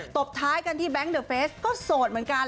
บท้ายกันที่แก๊งเดอร์เฟสก็โสดเหมือนกัน